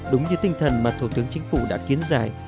đúng như tinh thần mà thủ tướng chính phủ đã kiến giải